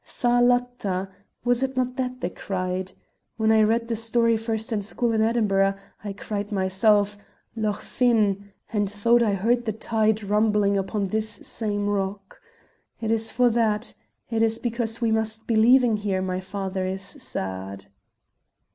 'Tha latta!' was it not that they cried? When I read the story first in school in Edinburgh, I cried, myself, 'Lochfinne!' and thought I heard the tide rumbling upon this same rock. It is for that; it is because we must be leaving here my father is sad."